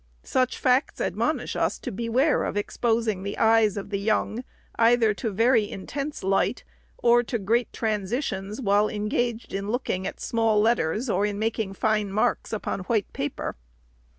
Such facts admonish us to beware of exposing the eyes of the young, either to very intense light, or to great transitions, while engaged in looking at small letters, or in making fine marks on white paper.